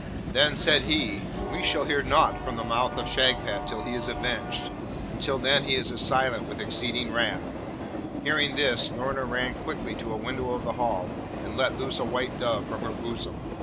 Then said he, 'We shall hear nought from the mouth of Shagpat till he is avenged, and till then he is silent with exceeding wrath.' Hearing this, Noorna ran quickly to a window of the Hall, and let loose a white dove from her bosom.